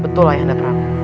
betul ayah anda pram